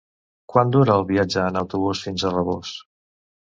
Quant dura el viatge en autobús fins a Rabós?